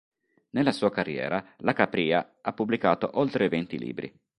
Nella sua carriera La Capria ha pubblicato oltre venti libri.